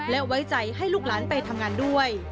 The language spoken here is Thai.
และไว้ใจให้ลูกหลานไปทำงานด้วย